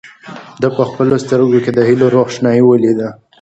ده په خپلو سترګو کې د هیلو روښنايي ولیده.